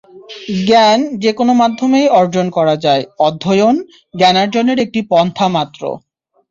জ্ঞান যেকোনো মাধ্যমেই অর্জন করা যায়, অধ্যয়ন জ্ঞানার্জনের একটি পন্থা মাত্র।